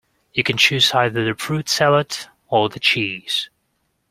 You can choose either the fruit salad or the cheese